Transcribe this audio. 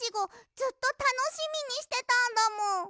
ずっとたのしみにしてたんだもん。